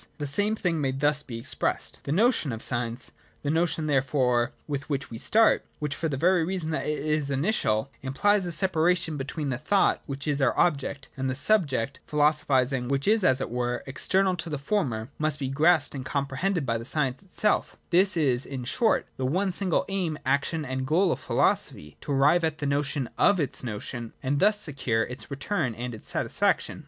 The same thing may be thus expressed. The notion of science — the notion therefore with which we start — which, for the very reason that it j is initial, implies a separation between the thought which 'is our object, and the subject philosophising which is, as it were, external to the former, must be grasped and comprehended by the science itself This is in short the one single aim, action, and goal of philosophy — to arrive at the notion of its notion, and thus secure its return and its satisfaction.